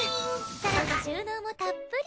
更に収納もたっぷり。